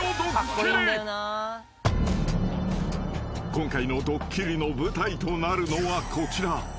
［今回のドッキリの舞台となるのはこちら］